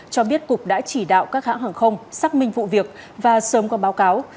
cho biết cục đã chỉ đạo các hãng hàng không xác minh vụ việc và sớm có báo cáo